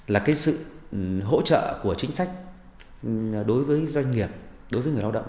là cái sự hỗ trợ của chính sách đối với doanh nghiệp đối với người lao động